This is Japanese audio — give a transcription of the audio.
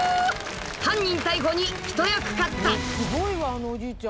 ［犯人逮捕に一役買った］